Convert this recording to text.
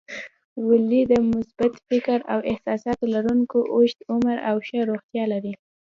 ولې د مثبت فکر او احساساتو لرونکي اوږد عمر او ښه روغتیا لري؟